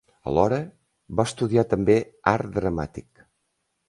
Alhora, va estudiar també Art Dramàtic.